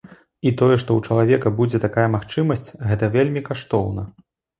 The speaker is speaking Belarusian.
І тое, што ў чалавека будзе такая магчымасць, гэта вельмі каштоўна.